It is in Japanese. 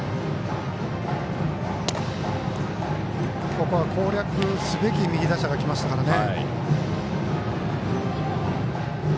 ここは攻略すべき右打者がきましたからね。